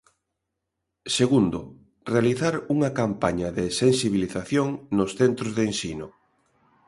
Segundo, realizar unha campaña de sensibilización nos centros de ensino.